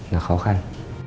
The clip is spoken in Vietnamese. là khó khăn